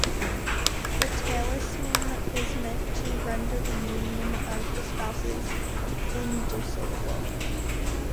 The talisman is meant to render the union of the spouses indissoluble.